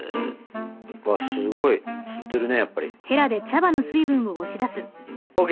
うわすごい吸ってるねやっぱり。ＯＫ！